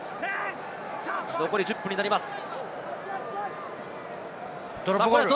残り１０分になります。